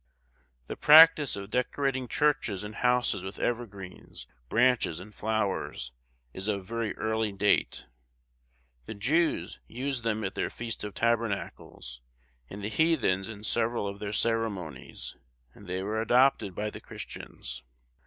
The practice of decorating churches and houses with evergreens, branches, and flowers, is of very early date. The Jews used them at their Feast of Tabernacles, and the heathens in several of their ceremonies, and they were adopted by the Christians.